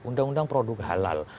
undang undang produk halal